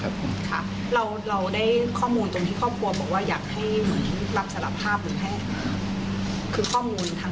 เราได้ข้อมูลตรงที่ครอบครัวบอกว่าอยากให้เหมือนรับสารภาพเหมือนแห้ง